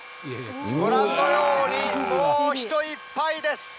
ご覧のように、もう人いっぱいです。